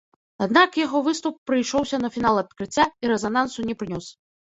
Аднак яго выступ прыйшоўся на фінал адкрыцця і рэзанансу не прынёс.